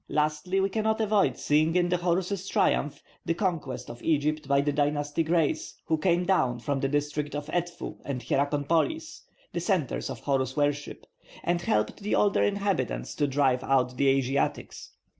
Lastly, we cannot avoid seeing in the Horus triumph the conquest of Egypt by the dynastic race who came down from the district of Edfu and Hierakonpolis, the centres of Horus worship; and helped the older inhabitants to drive out the Asiatics.